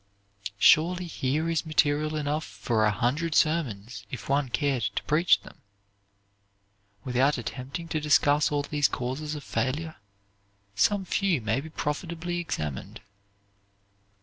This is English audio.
Surely, here is material enough for a hundred sermons if one cared to preach them. Without attempting to discuss all these causes of failure, some few may be profitably examined.